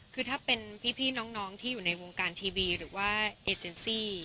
คือถ้าเป็นพี่น้องที่อยู่ในวงการทีวีหรือว่าเอเจนซี่